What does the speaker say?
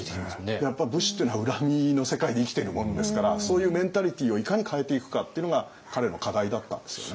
やっぱ武士っていうのは恨みの世界で生きてるもんですからそういうメンタリティーをいかに変えていくかっていうのが彼の課題だったんですよね。